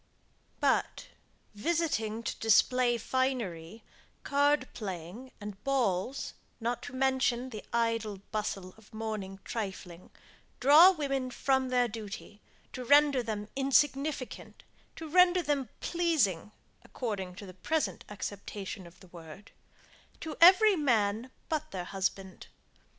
But, visiting to display finery, card playing, and balls, not to mention the idle bustle of morning trifling, draw women from their duty, to render them insignificant, to render them pleasing, according to the present acceptation of the word, to every man, but their husband.